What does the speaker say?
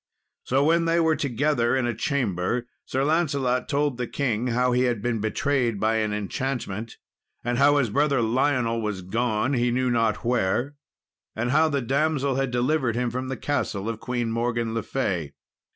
So when they were together in a chamber, Sir Lancelot told the king how he had been betrayed by an enchantment, and how his brother Lionel was gone he knew not where, and how the damsel had delivered him from the castle of Queen Morgan le Fay.